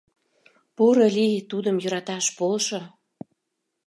Порылий, тудым йӧраташ полшо.